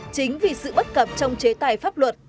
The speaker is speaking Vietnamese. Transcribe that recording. chính vì sự bất cập trong chế tài pháp luật